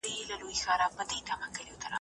دا دنیا د شکر ایسهمېشهو یو لوی ازموینځای دی.